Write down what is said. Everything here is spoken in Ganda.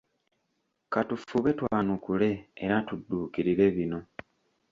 Ka tufube twanukule era tudduukirire bino